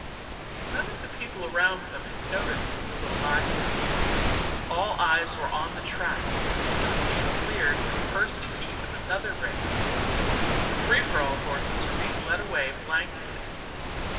None of the people around them had noticed the little by play. All eyes were on the track, which was being cleared for the first heat of another race. The free for all horses were being led away blanketed.